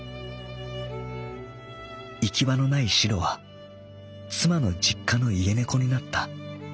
行き場のないしろは妻の実家の家猫になった。